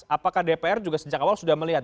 apakah dpr juga sejak awal sudah melihat